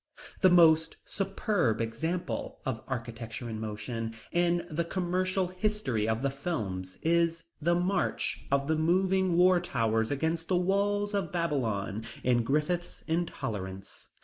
The most superb example of architecture in motion in the commercial history of the films is the march of the moving war towers against the walls of Babylon in Griffith's Intolerance.